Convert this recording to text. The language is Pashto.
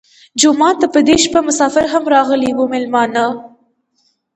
جومات ته په دې شپه مسافر هم راغلي وو مېلمانه.